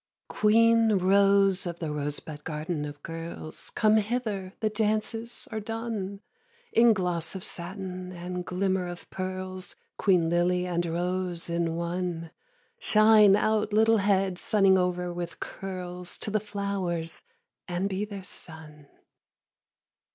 9. Queen rose of the rosebud garden of girls, Come hither, the dances are done, In gloss of satin and glimmer of pearls, Queen lily and rose in one; Shine out, little head, sunning over with curls, To the flowers, and be their sun.